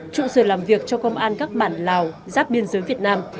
trụ sở làm việc cho công an các bản lào giáp biên giới việt nam